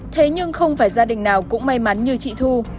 thế nhưng không phải gia đình nào cũng may mắn như chị thu